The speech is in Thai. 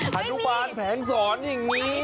อนุบาลแผงสอนอย่างนี้